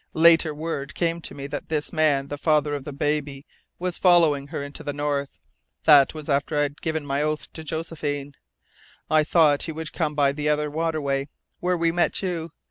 Later word came to me that this man, the father of the baby, was following her into the North, That was after I had given my oath to Josephine. I thought he would come by the other waterway, where we met you.